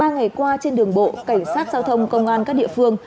ba ngày qua trên đường bộ cảnh sát giao thông công an các địa phương